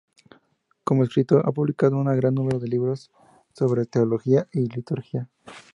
Como escritor ha publicado un gran número de libros sobre teología y liturgia.